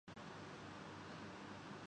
اس طرح وہ فتویٰ یا قانون بے توقیر ہوتا ہے